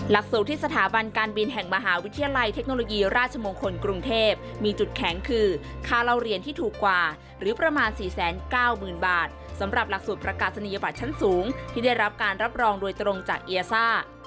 หลักสูตรที่สถาบันการบินแห่งมหาวิทยาลัยเทคโนโลยีราชมงคลกรุงเทพมีจุดแข็งคือค่าเล่าเรียนที่ถูกกว่าหรือประมาณ๔๙๐๐๐บาทสำหรับหลักสูตรประกาศนียบัตรชั้นสูงที่ได้รับการรับรองโดยตรงจากเอียซ่า